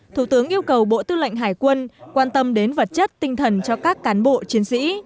thủ tướng yêu cầu bộ tư lệnh hải quân quan tâm đến vật chất tinh thần cho các cán bộ chiến sĩ